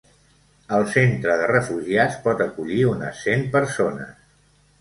El centre de refugiats pot acollir unes cent persones.